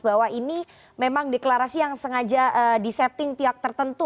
bahwa ini memang deklarasi yang sengaja disetting pihak tertentu